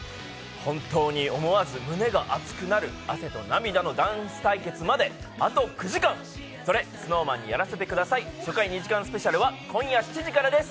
本当に思わず胸が熱くなる汗と涙のダンス対決まであと９時間、「それＳｎｏｗＭａｎにやらせて下さい」初回２時間スペシャルは今夜７時からです。